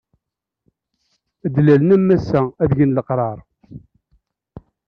Ad d-lalen am ass-a, ad egen leqṛaṛ.